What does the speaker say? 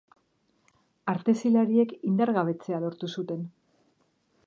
Artezilariek indargabetzea lortu zuten.